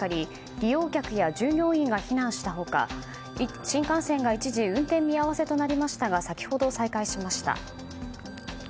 利用客や従業員が避難した他、新幹線が一時運転見合わせとなりましたが先ほど、再開しました。